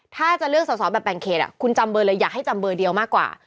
ถ้าจะเลือกสอสอแบบแบ่งเขตคุณจำเบอร์เลยอยากให้จำเบอร์เดียวมากกว่า